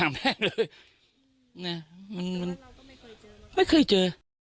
ไม่เคยเจอ